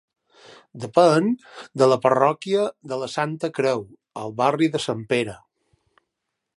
Depèn de la parròquia de la Santa Creu, al barri de Sant Pere.